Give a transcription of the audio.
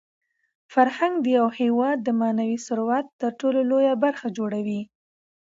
فرهنګ د یو هېواد د معنوي ثروت تر ټولو لویه برخه جوړوي.